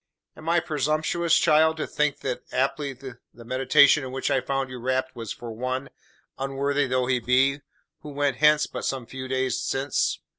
"Am I presumptuous, child, to think that haply the meditation in which I found you rapt was for one, unworthy though he be, who went hence but some few days since?"